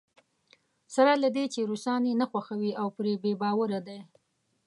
سره له دې چې روسان یې نه خوښېږي او پرې بې باوره دی.